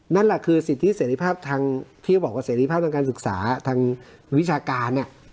นั่นแหละคือสิทธิเสร็จภาพทางการศึกษาทางวิชาการ